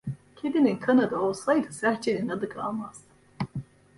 Kedinin kanadı olsaydı serçenin adı kalmazdı.